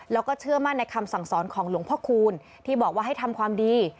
แล้วก็เชื่อมั่นในคำสั่งสอนของหลวงพ่อคูณที่บอกว่าให้ทำความดี